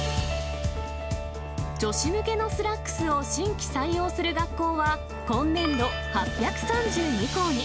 女子向けのスラックスを新規採用する学校は、今年度８３２校に。